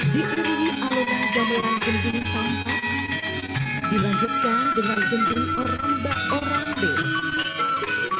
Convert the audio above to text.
dikirimi alurang jamuran genting tanpa dilanjutkan dengan genting orang orang ber orang